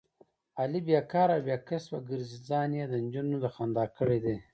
علي بیکاره او بې کسبه ګرځي، ځان یې دنجونو د خندا کړی دی.